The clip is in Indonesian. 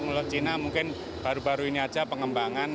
kalau cina mungkin baru baru ini aja pengembangan